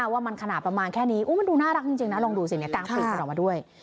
ว่ามันขนาดประมาณแค่นี้มันดูน่ารักจริงนะลองดูสิเนี่ยกลางปรุงเขามาด้วย